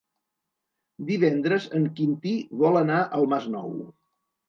Divendres en Quintí vol anar al Masnou.